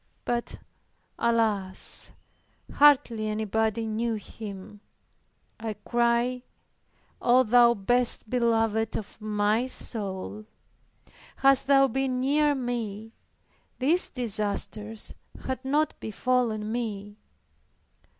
But, alas! hardly anybody knew Him. I cried, "Oh, Thou best beloved of my soul, hadst Thou been near me these disasters had not befallen me."